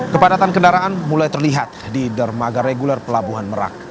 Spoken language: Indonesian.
kepadatan kendaraan mulai terlihat di dermaga reguler pelabuhan merak